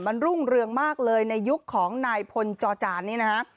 มันรุ่งเรืองมากเลยในยุคของนายพลจอจานนี้นะฮะ